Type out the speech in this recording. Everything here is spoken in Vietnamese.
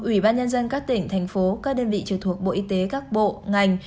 ủy ban nhân dân các tỉnh thành phố các đơn vị trực thuộc bộ y tế các bộ ngành